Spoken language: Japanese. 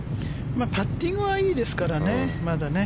パッティングはいいですからね、まだね。